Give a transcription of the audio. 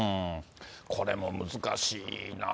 これも難しいなぁ。